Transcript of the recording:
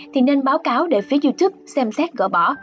thì nên báo cáo để phía youtube xem xét gỡ bỏ